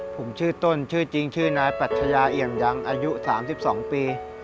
ผมชื่อต้นชื่อจริงชื่อนายปัชยาเอี่ยมยังอายุ๓๒ปี